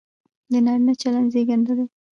د نارينه چلن زېږنده دى،